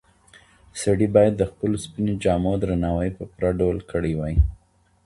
سړی باید د خپلو سپینو جامو درناوی په پوره ډول کړی وای.